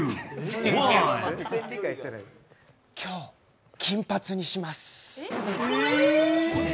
今日、金髪にします。